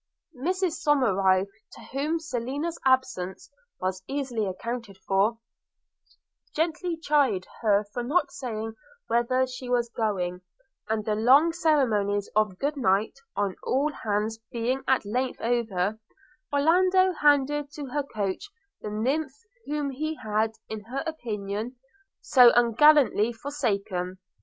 Mrs Somerive, to whom Selina's absence was easily accounted for, gently chid her for not saying whither she was going; and the long ceremonies of good night on all hands being at length over, Orlando handed to her coach the nymph whom he had, in her opinion, so ungallantly forsaken.